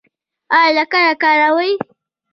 ایا لکړه کاروئ؟